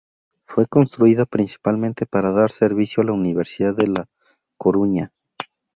Fue construida principalmente para dar servicio a la Universidad de La Coruña.